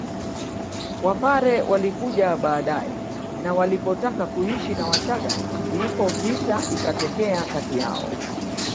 Wapare walikuja baade na walipotaka kuishi na wachaga ndipo vita ikatokea kati yao